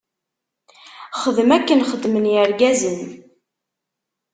Xdem akken xeddmen irgazen.